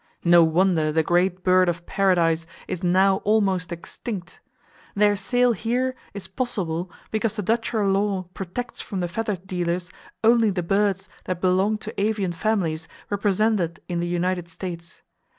No wonder the great bird of paradise is now almost extinct! Their sale here is possible because the Dutcher law protects from the feather dealers only the birds that belong to avian families represented in the United States.